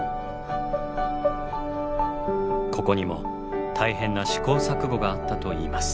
ここにも大変な試行錯誤があったといいます。